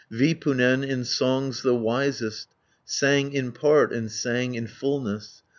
Vipunen, in songs the wisest, Sang in part, and sang in fulness.